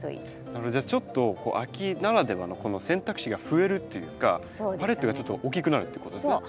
それじゃあちょっと秋ならではのこの選択肢が増えるというかパレットがちょっと大きくなるってことですね。